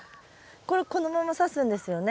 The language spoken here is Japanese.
これこのままさすんですよね？